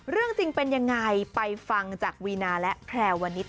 เรื่องจริงเป็นยังไงไปฟังจากวีนาและแพรวนิส